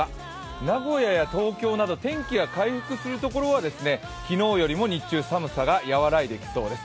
名古屋や東京など天気が回復する所は昨日よりも寒さが和らいでいきます。